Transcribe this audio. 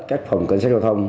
các phòng cảnh sát giao thông